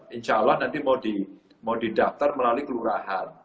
insya allah nanti mau didaftar melalui kelurahan